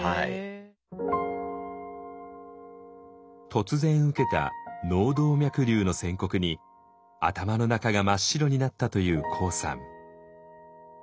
突然受けた「脳動脈瘤」の宣告に頭の中が真っ白になったというＫＯＯさん。